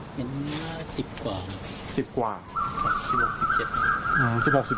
เหมือนสิบกว่า๑๖๑๗อ่ะ